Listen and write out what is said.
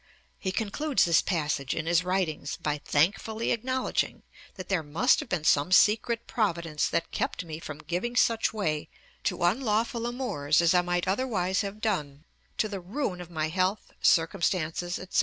He concludes this passage in his writings by 'thankfully acknowledging that there must have been some secret providence that kept me from giving such way to unlawful amours as I might otherwise have done, to the ruin of my health, circumstances,' &c.